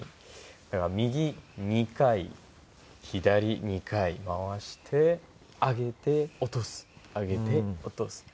右２回左２回回して上げて落とす上げて落とす。